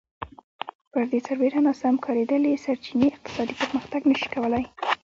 پر دې سربېره ناسم کارېدلې سرچینې اقتصادي پرمختګ نه شي کولای